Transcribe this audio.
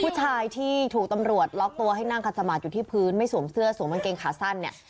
ผู้ชายที่ถูกตำรวจล็อกตัวให้นั่งขัดสมาธิอยู่ที่พื้นไม่สวมเสื้อสวมกางเกงขาสั้นเนี่ย